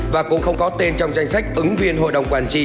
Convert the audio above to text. và cũng không có tên trong danh sách ứng viên hội đồng quản trị